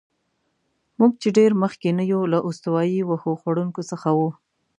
موږ چې ډېر مخکې نه یو، له استوایي وښو خوړونکو څخه وو.